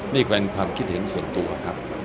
นี่เป็นความคิดเห็นส่วนตัวครับ